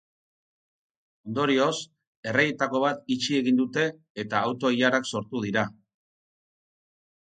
Ondorioz, erreietako bat itxi egin dute, eta auto-ilarak sortu dira.